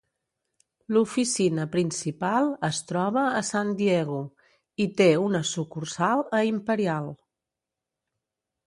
L'oficina principal es troba a San Diego i té una sucursal a Imperial.